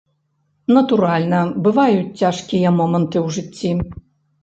Натуральна, бываюць цяжкія моманты ў жыцці.